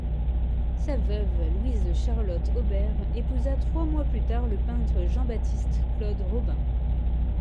Sa veuve, Louise-Charlotte Aubert, épousa trois mois plus tard le peintre Jean-Baptiste Claude Robin.